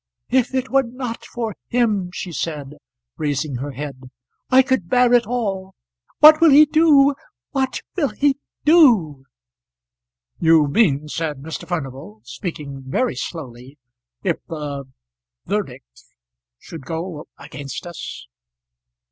"If it were not for him," she said, raising her head, "I could bear it all. What will he do? what will he do?" "You mean," said Mr. Furnival, speaking very slowly, "if the verdict should go against us."